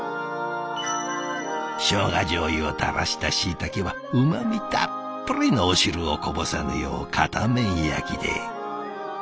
しょうがじょうゆを垂らしたしいたけはうまみたっぷりのお汁をこぼさぬよう片面焼きで。